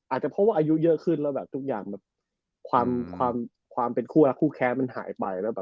อาจจะเพราะอายุเยอะขึ้นแล้วความเป็นคู่แคร์มันหายไป